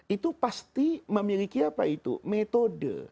itu pasti memiliki apa itu metode